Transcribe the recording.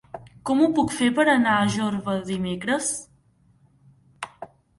Com ho puc fer per anar a Jorba dimecres?